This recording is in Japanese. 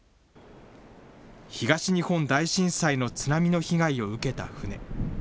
東日本大震災の津波の被害を受けた船。